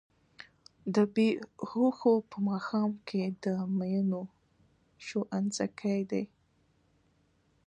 د بــــــې هــــــوښو په ماښام کي د مینوشو انځکی دی